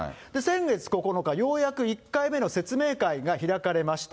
先月９日、ようやく１回目の説明会が開かれました。